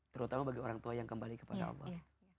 terutama bagi orang tua yang kembali kepada allah